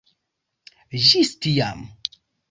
Ĝis tiam.